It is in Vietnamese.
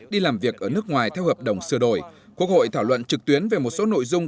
đi làm việc ở nước ngoài theo hợp đồng sửa đổi quốc hội thảo luận trực tuyến về một số nội dung